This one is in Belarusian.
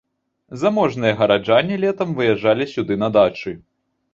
Заможныя гараджане летам выязджалі сюды на дачы.